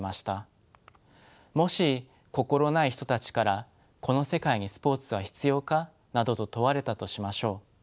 もし心ない人たちから「この世界にスポーツは必要か」などと問われたとしましょう。